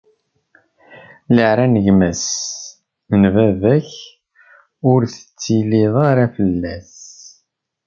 Leɛra n gma-s n baba-k, ur teṭṭilliḍ ara fell-as.